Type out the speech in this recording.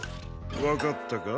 わかったか？